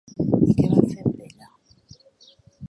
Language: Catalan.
I què va fer amb ella?